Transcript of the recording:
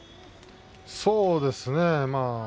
そうですね